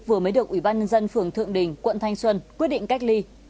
vừa mới được ủy ban nhân dân phường thượng đình quận thanh xuân quyết định cách ly